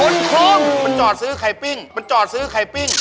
โครงมันจอดซื้อไข่ปิ้งมันจอดซื้อไข่ปิ้ง